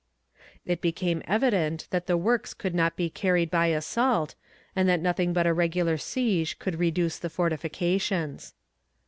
It became evident that the works could not be carried by assault, and that nothing but a regular siege could reduce the fortifications.